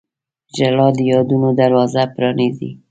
• ژړا د یادونو دروازه پرانیزي.